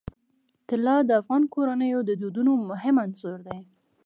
طلا د افغان کورنیو د دودونو مهم عنصر دی.